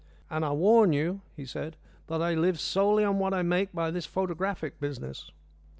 "And I warn you," he said, "that I live solely on what I make by this photographic business."